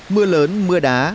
mưa lớn mưa đá